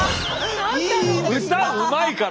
歌うまいから。